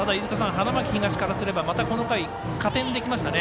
花巻東からすればまた、この回、加点できましたね。